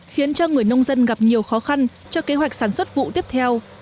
khiến cho người nông dân gặp nhiều khó khăn cho kế hoạch sản xuất vụ tiếp theo